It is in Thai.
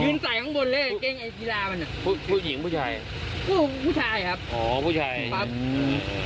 ยืนใส่ข้างบนเลยกางเกงไอ้กีฬามันผู้หญิงผู้ชายผู้ผู้ชายครับอ๋อผู้ชายครับ